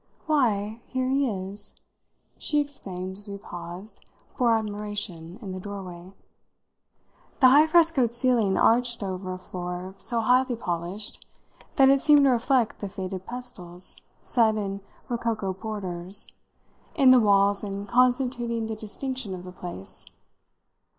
"Why, here he is!" she exclaimed as we paused, for admiration, in the doorway. The high frescoed ceiling arched over a floor so highly polished that it seemed to reflect the faded pastels set, in rococo borders, in the walls and constituting the distinction of the place.